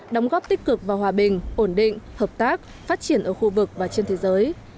đóng góp tích cực và hòa bình ổn định hợp tác phát triển ở khu vực và trên thế giới